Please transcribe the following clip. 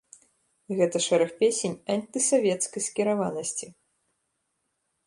Гэта шэраг песень антысавецкай скіраванасці.